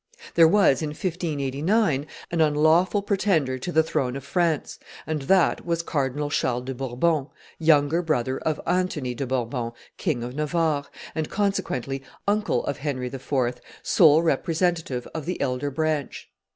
There was, in 1589, an unlawful pretender to the throne of France; and that was Cardinal Charles de Bourbon, younger brother of Anthony de Bourbon, King of Navarre, and consequently uncle of Henry IV., sole representative of the elder branch.